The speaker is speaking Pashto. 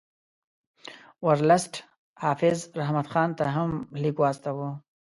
ورلسټ حافظ رحمت خان ته هم لیک واستاوه.